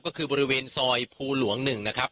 ก็คือบริเวณซอยภูหลวง๑นะครับ